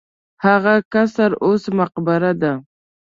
هغه قصر اوس مقبره ده.